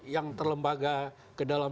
yang terlembaga ke dalam